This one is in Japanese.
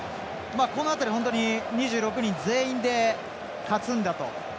この辺り本当に２６人全員で勝つんだと。